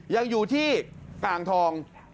ยังอยู่ที่อ่างทอง